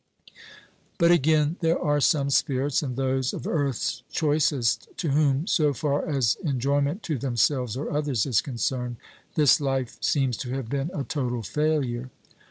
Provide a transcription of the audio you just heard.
But again: there are some spirits (and those of earth's choicest) to whom, so far as enjoyment to themselves or others is concerned, this life seems to have been a total failure.